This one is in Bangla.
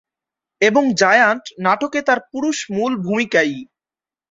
এবং "জায়ান্ট" নাটকে তার পুরুষ মূল ভূমিকাইয়।